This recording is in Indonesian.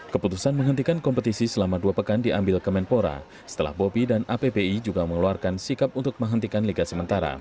keputusan menghentikan kompetisi selama dua pekan diambil kemenpora setelah bobi dan appi juga mengeluarkan sikap untuk menghentikan liga sementara